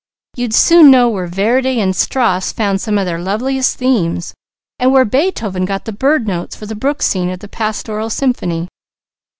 You'd soon know where Verdi and Strauss found some of their loveliest themes, and where Beethoven got the bird notes for the brook scene of the Pastoral Symphony.